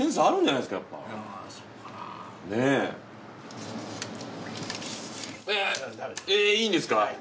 いいんですか？